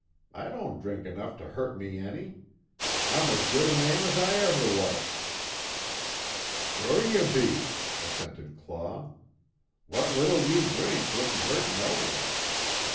I don't drink enough to hurt me any. I'm as good a man as I ever was!" "Sure you be," assented Claw. "What little you drink wouldn't hurt no one.